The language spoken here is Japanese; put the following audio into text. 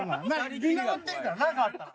見守ってるからなんかあったら。